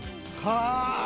はあ。